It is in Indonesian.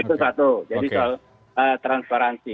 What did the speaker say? itu satu jadi soal transparansi